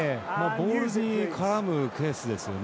ボールに絡むプレースですよね。